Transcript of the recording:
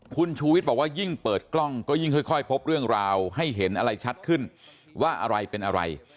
คุณชูวิทย์บอกว่ายิ่งเปิดกล้องก็ยิ่งค่อยพบเรื่องราวให้เห็นอะไรชัดขึ้นว่าอะไรเป็นอะไร